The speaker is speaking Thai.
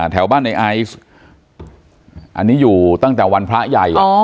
แถวบ้านในไอซ์อันนี้อยู่ตั้งแต่วันพระใหญ่